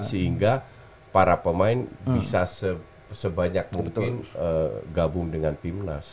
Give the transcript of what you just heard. sehingga para pemain bisa sebanyak mungkin gabung dengan timnas